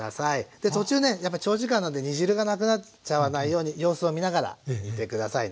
で途中ねやっぱり長時間なんで煮汁がなくなっちゃわないように様子を見ながら煮て下さいね。